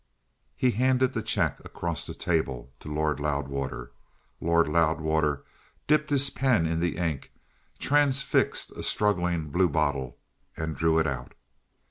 He handed the cheque across the table to Lord Loudwater. Lord Loudwater dipped his pen in the ink, transfixed a struggling bluebottle, and drew it out.